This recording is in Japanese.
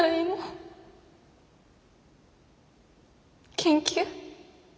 研究？